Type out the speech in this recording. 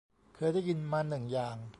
เคยได้ยินมาหนึ่งอย่าง